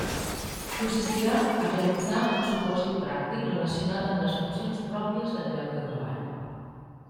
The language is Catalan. Consistirà a realitzar un supòsit pràctic relacionat amb les funcions pròpies del lloc de treball.